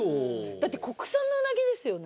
だって国産のうなぎですよね？